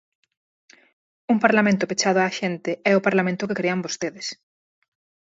Un parlamento pechado á xente é o parlamento que crean vostedes.